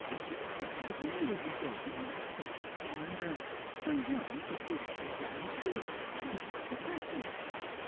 Just then the bangle you gave me last Christmas came undone, so Jean put his cue down too, and offered to fasten it.